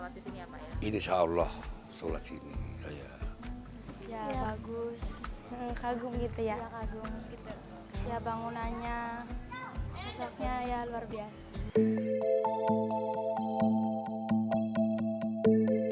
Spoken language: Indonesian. berarti bapak setiap hari ini wajib sholat di sini apa ya